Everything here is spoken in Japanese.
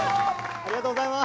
ありがとうございます！